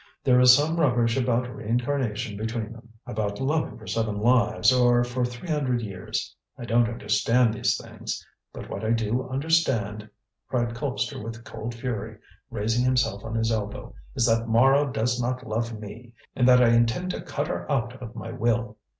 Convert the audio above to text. There is some rubbish about reincarnation between them about loving for seven lives, or for three hundred years. I don't understand these things. But what I do understand," cried Colpster with cold fury, raising himself on his elbow, "is that Mara does not love me, and that I intend to cut her out of my will.